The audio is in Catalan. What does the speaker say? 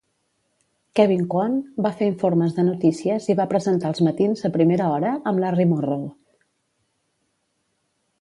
Kevin Coan va fer informes de notícies i va presentar els matins a primera hora amb Larry Morrow.